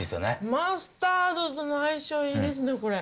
マスタードとの相性、いいですね、これ。